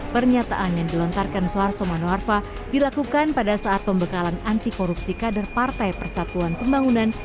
pernyataan yang dilontarkan soeharto manoarfa dilakukan pada saat pembekalan anti korupsi kader partai persatuan pembangunan